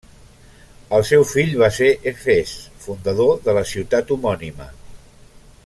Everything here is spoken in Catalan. El seu fill va ser Efes, fundador de la ciutat homònima.